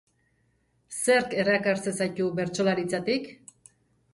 Zerk erakartzen zaitu bertsolaritzatik?